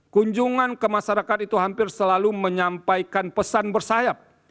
kunjungan ke masyarakat itu hampir selalu menyampaikan pesan bersayap